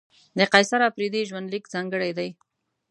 د قیصر اپریدي ژوند لیک ځانګړی دی.